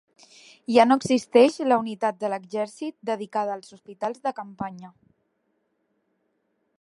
Ja no existeix la unitat de l'exèrcit dedicada als hospitals de campanya